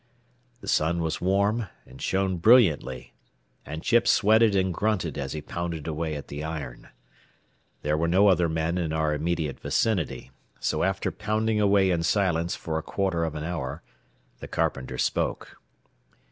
The sun was warm and shone brilliantly, and Chips sweated and grunted as he pounded away at the iron. There were no other men in our immediate vicinity, so after pounding away in silence for a quarter of an hour, the carpenter spoke.